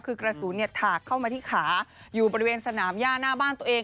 คือกระสุนถากเข้ามาที่ขาอยู่บริเวณสนามย่าหน้าบ้านตัวเอง